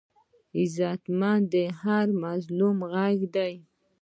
غیرتمند د هر مظلوم غږ دی